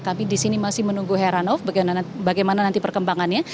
tapi disini masih menunggu heranov bagaimana nanti perkembangannya